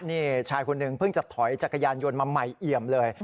นี่ชายคนหนึ่งเพิ่งจะถอยจักรยานยนต์มาใหม่เอี่ยมเลย